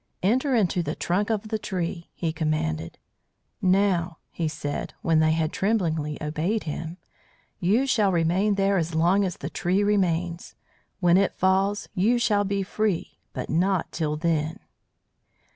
"Enter into the trunk of the tree," he commanded. "Now," he said, when they had tremblingly obeyed him, "you shall remain there as long as the tree remains. When it falls you shall be free, but not till then."